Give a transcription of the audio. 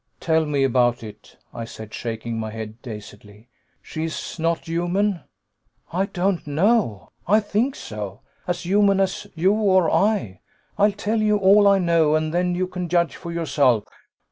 "Tell me about it," I said, shaking my head dazedly. "She is not human?" "I don't know. I think so. As human as you or I. I'll tell you all I know, and then you can judge for yourself.